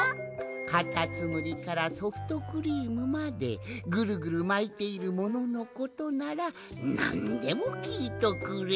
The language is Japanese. かたつむりからソフトクリームまでぐるぐるまいているもののことならなんでもきいとくれ。